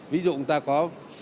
ví dụ chúng ta có